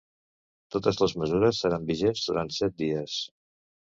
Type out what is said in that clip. Totes les mesures seran vigents durant set dies.